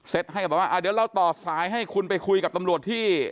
ให้กับแบบว่าเดี๋ยวเราต่อสายให้คุณไปคุยกับตำรวจที่